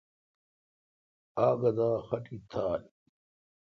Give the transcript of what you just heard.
آگہ دا خوٹی تھال۔